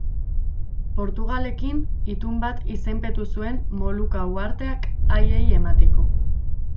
Portugalekin itun bat izenpetu zuen Moluka uharteak haiei emateko.